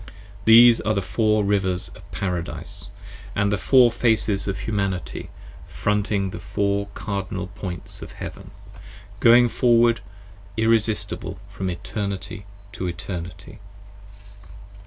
These are the Four Rivers of Paradise, And the Four Faces of Humanity fronting the Four Cardinal Points Of Heaven, going forward, forward irresistible from Eternity to Eternity.